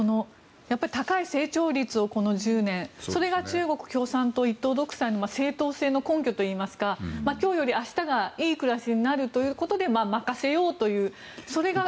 高い成長率をこの１０年それが中国共産党一党独裁の正当性の根拠といいますか今日より明日がいい暮らしになるということで任せようというそれが。